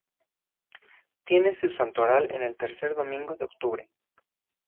Tiene su santoral el tercer domingo de octubre.